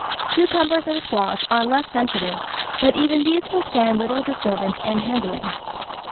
Cucumbers and squash are less sensitive, but even these will stand little disturb ance and handling.